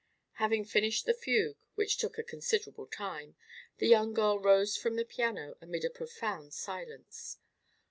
Having finished the fugue, which took a considerable time, the young girl rose from the piano amid a profound silence.